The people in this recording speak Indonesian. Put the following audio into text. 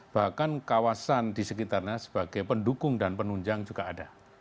bahkan kawasan di sekitarnya sebagai pendukung dan penunjang juga ada